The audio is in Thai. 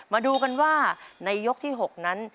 มาดูกันว่าในยกที่๖นั้น